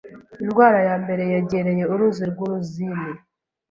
Indwara ya mbere yegereye uruzi rw'uruzini